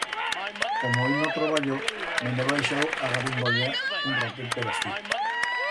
Como hoi no troballo, me'n he baixau a garimboliar un ratet per astí.